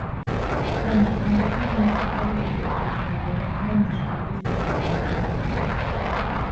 პრემიის მიღებამ მას ახალი სიცოცხლე შთაბერა და ნაშრომების გამოცემა განაახლა.